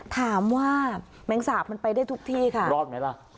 แมงสาบมันไปได้ทุกที่ค่ะรอดไหมล่ะ